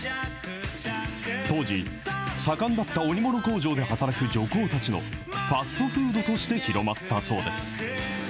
当時盛んだった織物工場で働く女工たちのファストフードとして広まったそうです。